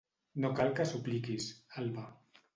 No cal que supliquis, Alba.